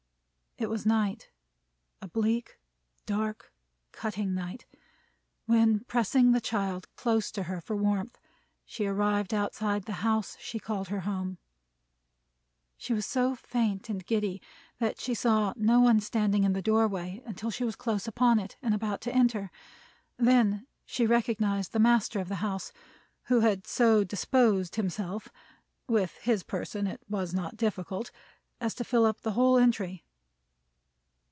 It was night: a bleak, dark, cutting night: when pressing the child close to her for warmth, she arrived outside the house she called her home. She was so faint and giddy, that she saw no one standing in the doorway until she was close upon it, and about to enter. Then, she recognized the master of the house, who had so disposed himself with his person it was not difficult as to fill up the whole entry.